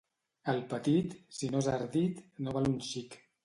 El petit, si no és ardit, no val un xic.